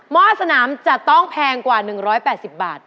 ห้อสนามจะต้องแพงกว่า๑๘๐บาท